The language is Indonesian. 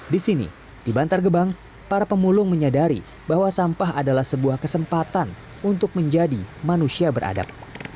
di sini di bantar gebang para pemulung menyadari bahwa sampah adalah sebuah kesempatan untuk menjadi manusia beradab